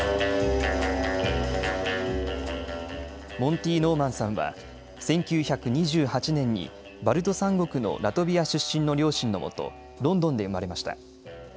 モンティ・ノーマンさんは１９２８年にバルト３国のラトビア出身の両親のもとロンドンで生まれました。